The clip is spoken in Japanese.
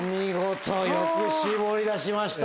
よく絞り出しました。